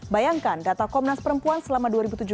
bayangkan data komnas perempuan selama dua ribu tujuh belas